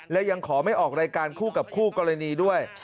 และยังขอไม่ออกรายการคู่กับคู่กรณีด้วย